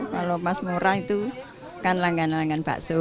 kalau mas mora itu kan langgan langgan bakso